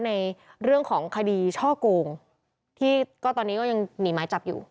ในเรื่องของคดีช่อโกงที่ก็ตอนนี้ก็ยังหนีไม้จับอยู่